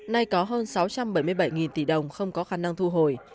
nay có hơn sáu trăm bảy mươi bảy tỷ đồng không có khả năng thu hồi